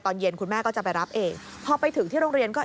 ตอนเย็นคุณแม่ก็จะไปรับเองพอไปถึงที่โรงเรียนก็